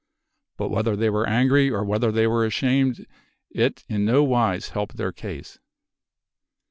But whether they were angry or whether they were ashamed it in no wise helped their case.